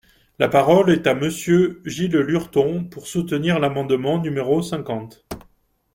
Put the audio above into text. La parole est à Monsieur Gilles Lurton, pour soutenir l’amendement numéro cinquante.